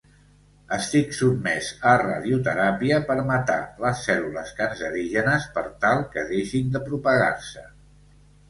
Estic sotmès a radioteràpia per matar les cèl·lules cancerígenes per tal que deixin de propagar-se.